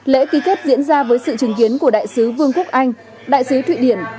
lễ ký kết diễn ra với sự chứng kiến của đại sứ vương quốc anh đại sứ thụy điển